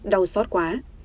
đau xót quá